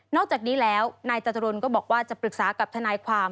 อกจากนี้แล้วนายจตุรนก็บอกว่าจะปรึกษากับทนายความ